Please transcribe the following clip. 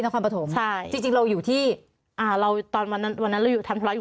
นครปฐมใช่จริงจริงเราอยู่ที่อ่าเราตอนวันนั้นวันนั้นเราอยู่ทำธุระอยู่